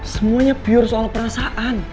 semuanya pure soal perasaan